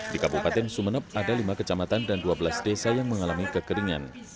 di kabupaten sumeneb ada lima kecamatan dan dua belas desa yang mengalami kekeringan